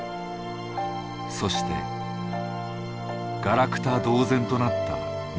そしてガラクタ同然となった燃料タンク。